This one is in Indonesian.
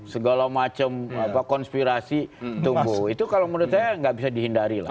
segala macam konspirasi tumbuh itu kalau menurut saya nggak bisa dihindari lah